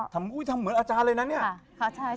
ทำเหมือนอาจารย์เลยนะเนี่ย